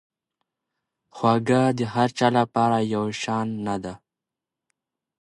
هوږه د هر چا لپاره یو شان نه ده.